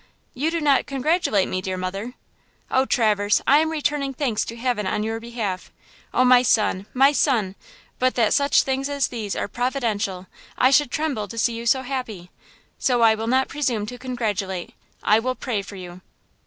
"You do not congratulate me, dear mother." "Oh, Traverse, I am returning thanks to heaven on your behalf! Oh, my son! my son; but that such things as these are Providential, I should tremble to see you so happy! So I will not presume to congratulate! I will pray for you!"